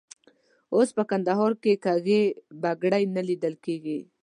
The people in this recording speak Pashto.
اوس په کندهار کې کږې بګړۍ نه لیدل کېږي.